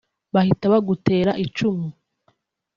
bahita bagutera icumu